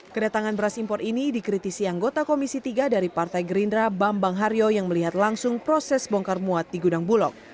kedatangan beras impor ini dikritisi anggota komisi tiga dari partai gerindra bambang haryo yang melihat langsung proses bongkar muat di gudang bulog